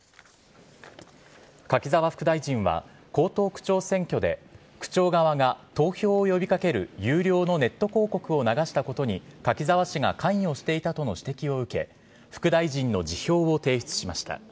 柿沢副大臣は、江東区長選挙で、区長側が投票を呼びかける有料のネット広告を流したことに柿沢氏が関与していたとの指摘を受け、副大臣の辞表を提出しました。